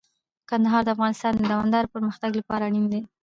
کندهار د افغانستان د دوامداره پرمختګ لپاره اړین دي.